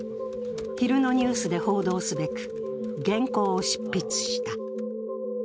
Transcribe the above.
昼のニュースで報道すべく、原稿を執筆した。